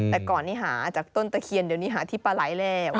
แต่ก่อนนี้หาจากต้นตะเคียนเดี๋ยวนี้หาที่ปลาไหลแล้ว